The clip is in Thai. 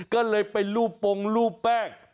ก็เลยไปรูปปงรูปแป้ง